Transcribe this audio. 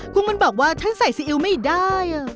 คุณมันบอกว่าฉันใส่ซีอิ๊วไม่ได้